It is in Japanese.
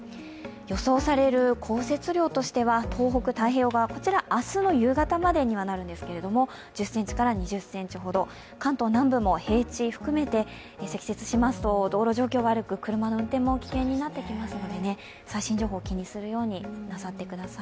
予想される降雪量としては、東北、太平洋側こちら、明日の夕方までにはなるんですけど１０ｃｍから２０ｃｍほど、関東南部も平地を含めて積雪しますと道路状況が悪く、車の運転も危険になってきますので最新情報を気にするようになさってください。